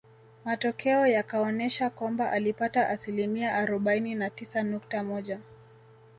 Matokeo yakaonesha kwamba alipata asilimia arobaini na tisa nukta moja